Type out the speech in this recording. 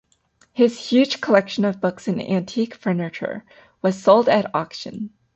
His huge collection of books and antique furniture was sold at auction.